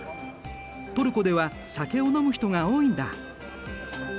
トルコでは酒を飲む人が多いんだ。